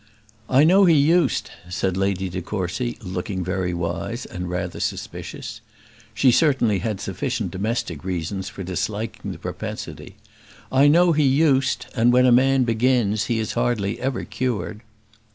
"I know he used," said Lady de Courcy, looking very wise, and rather suspicious. She certainly had sufficient domestic reasons for disliking the propensity; "I know he used; and when a man begins, he is hardly ever cured."